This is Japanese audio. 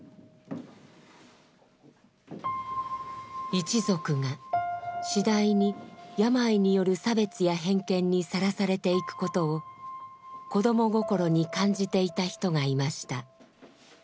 一族が次第に病による差別や偏見にさらされていくことを子供心に感じていた人がいました。